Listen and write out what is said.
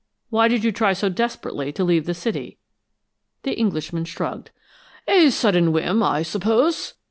Why did you try so desperately to leave the city?" The Englishman shrugged. "A sudden whim, I suppose.